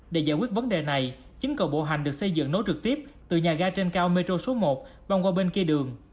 để giải quyết vấn đề này chính cầu bộ hành được xây dựng nối trực tiếp từ nhà ga trên cao métro số một bong qua bên kia đường